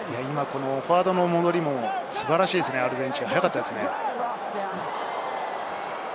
フォワードの戻りも素晴らしいですね、アルゼンチン速かったですね。